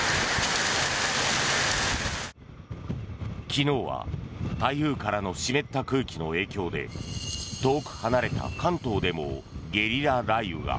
昨日は台風からの湿った空気の影響で遠く離れた関東でもゲリラ雷雨が。